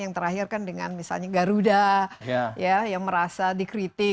yang terakhir kan dengan misalnya garuda yang merasa dikritik